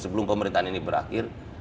sebelum pemerintahan ini berakhir